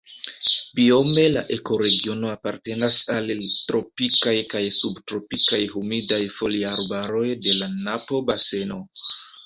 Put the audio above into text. Biome la ekoregiono apartenas al tropikaj kaj subtropikaj humidaj foliarbaroj de la Napo-baseno.